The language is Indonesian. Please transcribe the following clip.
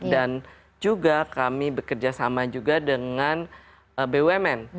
dan juga kami bekerja sama juga dengan bumn